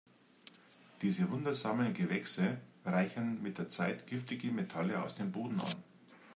Diese wundersamen Gewächse reichern mit der Zeit giftige Metalle aus dem Boden an.